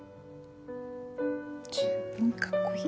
十分かっこいい。